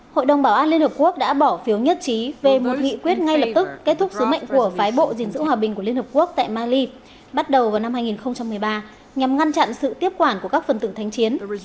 hội đồng bảo an liên hợp quốc đã bỏ phiếu nhất trí về một nghị quyết ngay lập tức kết thúc sứ mệnh của phái bộ gìn giữ hòa bình của liên hợp quốc tại mali bắt đầu vào năm hai nghìn một mươi ba nhằm ngăn chặn sự tiếp quản của các phần tử thánh chiến